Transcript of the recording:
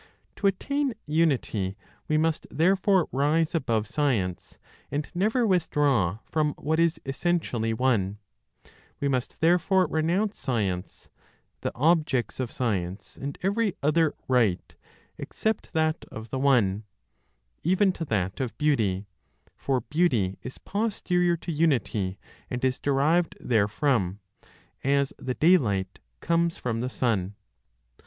(To attain Unity) we must therefore rise above science, and never withdraw from what is essentially One; we must therefore renounce science, the objects of science, and every other right (except that of the One); even to that of beauty; for beauty is posterior to unity, and is derived therefrom, as the day light comes from the sun.